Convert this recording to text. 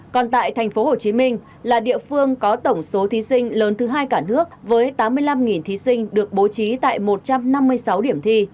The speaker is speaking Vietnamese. còn tại thành phố hồ chí minh là địa phương có tổng số thí sinh lớn thứ hai cả nước với tám mươi năm thí sinh được bố trí tại một trăm năm mươi sáu điểm thi